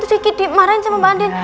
terus kiki dimarahin sama mbak andin